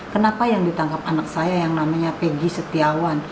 kenapa yang ditangkap anak saya yang namanya peggy setiawan